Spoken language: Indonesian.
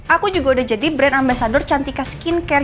aku juga udah jadi brand ambasador cantika skincare